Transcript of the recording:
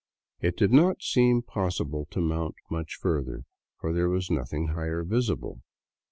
It did not seem possible to mount much further, for there was nothing higher visible.